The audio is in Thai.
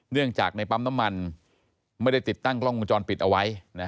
เนื่องจากในปั๊มน้ำมันไม่ได้ติดตั้งกล้องวงจรปิดเอาไว้